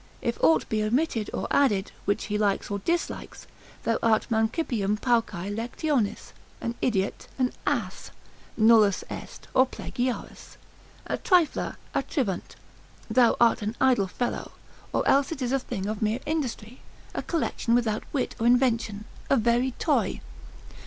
If aught be omitted, or added, which he likes, or dislikes, thou art mancipium paucae lectionis, an idiot, an ass, nullus es, or plagiarius, a trifler, a trivant, thou art an idle fellow; or else it is a thing of mere industry, a collection without wit or invention, a very toy.